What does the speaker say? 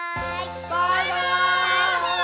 「バイバーイ！」